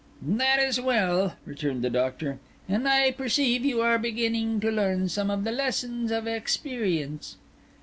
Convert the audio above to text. "That is well," returned the Doctor; "and I perceive you are beginning to learn some of the lessons of experience."